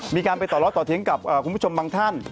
มีการไปต่อล้อต่อเถียงกับคุณผู้ชมบางท่าน